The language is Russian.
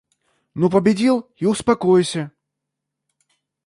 Ну победил и успокойся!